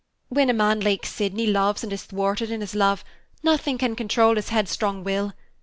When a man like Sydney loves and is thwarted in his love, nothing can control his headstrong will.